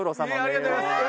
ありがとうございます！